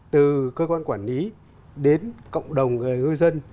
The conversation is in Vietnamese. từ cơ quan quản lý đến cộng đồng người ngư dân